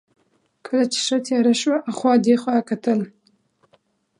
کله چې ښه تېاره شول، اخوا دېخوا کتل.